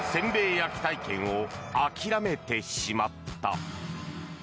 焼き体験を諦めてしまった。